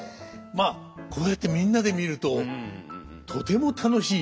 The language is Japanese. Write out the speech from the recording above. まあこうやってみんなで見るととても楽しい！